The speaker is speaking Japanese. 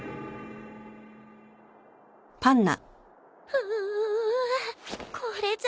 うこれじゃ